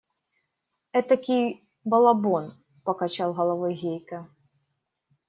Этакий балабон! – покачал головой Гейка.